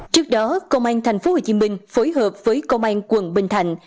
trước đó công an tp hcm phối hợp với công an quận bình thạnh